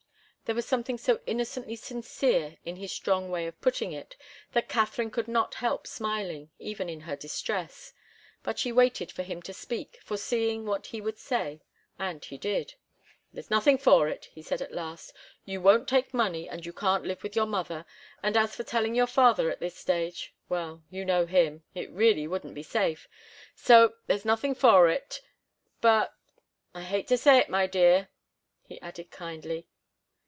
There was something so innocently sincere in his strong way of putting it that Katharine could not help smiling, even in her distress. But she waited for him to speak, foreseeing what he would say, and did. "There's nothing for it," he said, at last. "You won't take money, and you can't live with your mother, and as for telling your father at this stage well, you know him! It really wouldn't be safe. So there's nothing for it but I hate to say it, my dear," he added kindly.